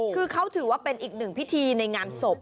คือเขาถือว่าเป็นอีกหนึ่งพิธีในงานศพ